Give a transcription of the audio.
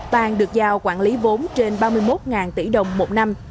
bang được giao quản lý vốn trên ba mươi một tỷ đồng một năm